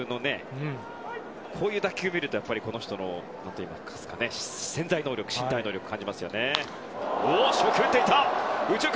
こういう打球を見るとこの人の潜在能力身体能力を感じますね。